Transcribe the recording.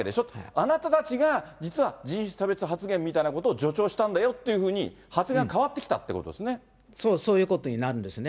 あなたたちが、実は人種差別発言みたいに助長したんだよというふうに、発言が変そういうことになるんですね。